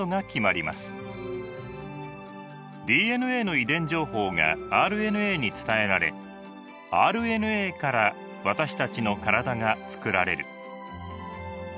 ＤＮＡの遺伝情報がＲＮＡに伝えられＲＮＡから私たちの体がつくられる。